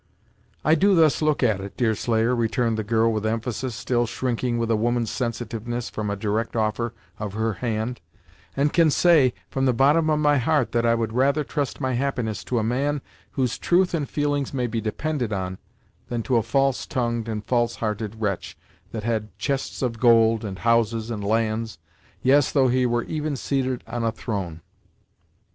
"I do thus look at it, Deerslayer," returned the girl with emphasis, still shrinking with a woman's sensitiveness from a direct offer of her hand, "and can say, from the bottom of my heart, that I would rather trust my happiness to a man whose truth and feelings may be depended on, than to a false tongued and false hearted wretch that had chests of gold, and houses and lands yes, though he were even seated on a throne!"